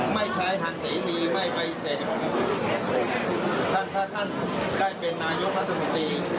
ไม่ใช้ทันสีดีไม่ไปเสนถ้าท่านใครเป็นนายกธนโภตี